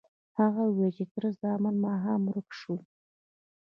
هغه وویل چې تره زامن ماښام ورک شول.